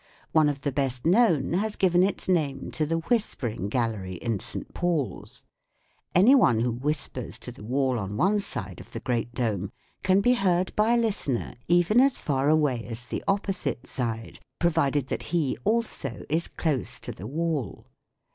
One of th< best known has given its name to the Whisper ing Gallery in St. Paul's. Any one who whispers to the wall on one side of the great dome can be 8 4 THE WORLD OF SOUND heard by a listener even as far away as the opposite side, provided that he also is close to the wall.